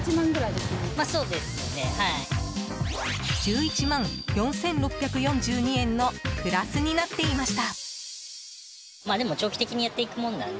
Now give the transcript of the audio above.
１１万４６４２円のプラスになっていました。